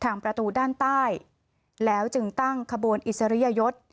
ประตูด้านใต้แล้วจึงตั้งขบวนอิสริยยศ